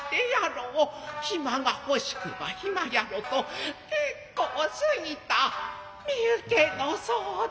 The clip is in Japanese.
暇が欲しくば暇やろう」と結構すぎた身受けの相談。